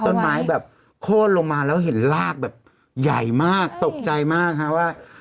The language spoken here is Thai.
ต้นไม้แบบโค้นลงมาแล้วเห็นลากแบบใหญ่มากตกใจมากฮะว่า